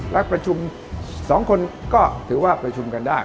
และประชุม๒คนก็ถือว่าประชุมกันได้